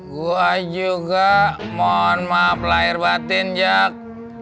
gua juga mohon maaf lahir batin jak